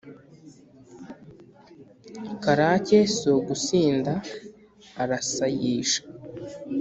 karake si ugusinda arasayisha